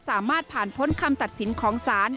สามารถผ่านพ้นคำตัดสินของศาล